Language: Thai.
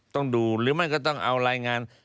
ต้องดูหรือไม่ก็ต้องเอารายงาน